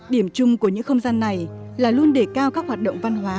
điểm chung của những không gian này là luôn đề cao các hoạt động văn hóa